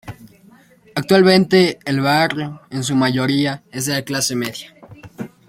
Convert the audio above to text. Actualmente el barrio, en su mayoría, es de clase media.